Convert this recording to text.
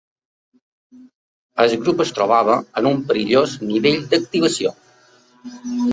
El grup es trobava ‘en un perillós nivell d’activació’.